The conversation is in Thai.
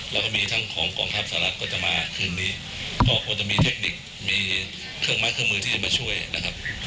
แล้วก็มีทั้งของกองทัพสหรัฐก็จะมาคืนนี้ก็ควรจะมีเทคนิคมีเครื่องไม้เครื่องมือที่จะมาช่วยนะครับ